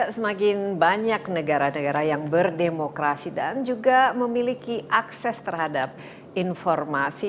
semakin banyak negara negara yang berdemokrasi dan juga memiliki akses terhadap informasi